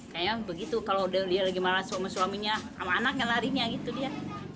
kayaknya begitu kalau dia lagi malas sama suaminya sama anaknya larinya gitu dia